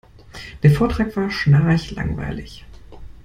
Der Vortrag war schnarchlangweilig.